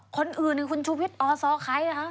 คนอื่นคือคุณชูวิตอศใครหรือคะ